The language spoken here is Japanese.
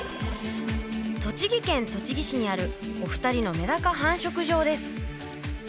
栃木県栃木市にあるお二人のメダカ繁殖場です。